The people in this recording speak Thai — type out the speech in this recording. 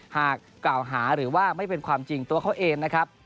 หากกล่าวหาหรือว่าไม่เป็นความจริงตัวเขาเองนะครับ